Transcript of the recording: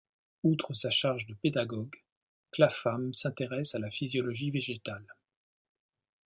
Outre sa charge de pédagogue, Clapham s’intéresse à la physiologie végétale.